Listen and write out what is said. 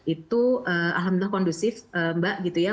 itu alhamdulillah kondusif mbak gitu ya